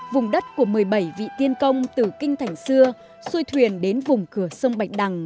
vùng đất của một mươi bảy vị tiên công từ kinh thành xưa xuôi thuyền đến vùng cửa sông bạch đằng